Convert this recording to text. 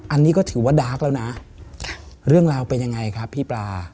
อันนี้ก็ถือว่าดาร์กแล้วนะเรื่องราวเป็นยังไงครับพี่ปลา